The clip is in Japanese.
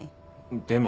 でも。